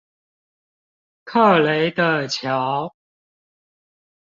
克雷的橋